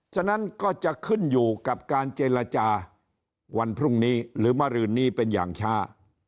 ฉะนั้นก็จะขึ้นอยู่กับการเจรจาวันพรุ่งนี้หรือมารืนนี้เป็นอย่างช้า